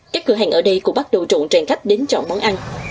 các cửa hàng ở đây cũng bắt đầu trộn tràng khách đến chọn món ăn